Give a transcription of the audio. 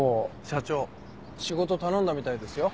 社長仕事頼んだみたいですよ。